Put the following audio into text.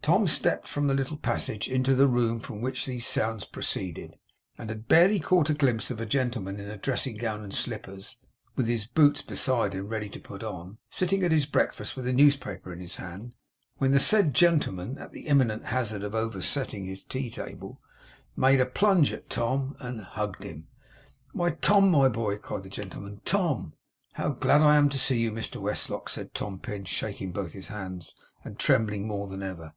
Tom stepped from the little passage into the room from which these sounds proceeded, and had barely caught a glimpse of a gentleman in a dressing gown and slippers (with his boots beside him ready to put on), sitting at his breakfast with a newspaper in his hand, when the said gentleman, at the imminent hazard of oversetting his tea table, made a plunge at Tom, and hugged him. 'Why, Tom, my boy!' cried the gentleman. 'Tom!' 'How glad I am to see you, Mr Westlock!' said Tom Pinch, shaking both his hands, and trembling more than ever.